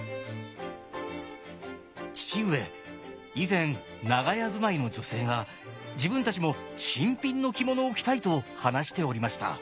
「父上以前長屋住まいの女性が自分たちも新品の着物を着たいと話しておりました」。